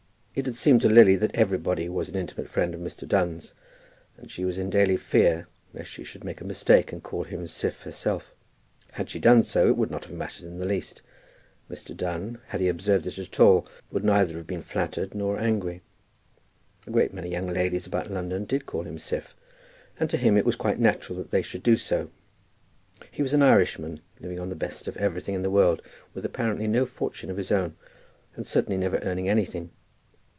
It had seemed to Lily that everybody was an intimate friend of Mr. Dunn's, and she was in daily fear lest she should make a mistake and call him Siph herself. Had she done so it would not have mattered in the least. Mr. Dunn, had he observed it at all, would neither have been flattered nor angry. A great many young ladies about London did call him Siph, and to him it was quite natural that they should do so. He was an Irishman, living on the best of everything in the world, with apparently no fortune of his own, and certainly never earning anything.